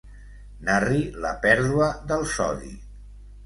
Narri la pèrdua del sodi.